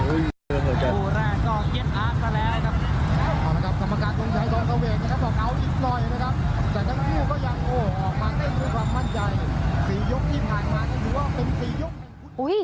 อุ๊ย